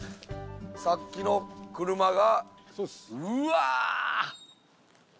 さっきの車がうわぁ！